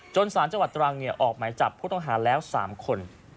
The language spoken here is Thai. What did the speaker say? สารจังหวัดตรังออกหมายจับผู้ต้องหาแล้ว๓คน